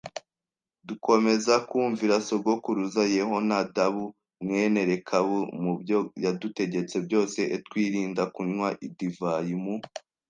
dukomeza kumvira sogokuruza Yehonadabu mwene Rekabu mu byo yadutegetse byose etwirinda kunywa divayi mu